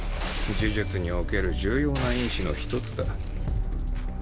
呪術における重要な因子の一つだ。